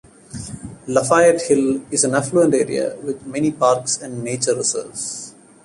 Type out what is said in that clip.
Lafayette Hill is an affluent area with many parks and nature reserves.